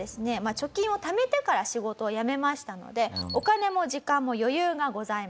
貯金をためてから仕事をやめましたのでお金も時間も余裕がございます。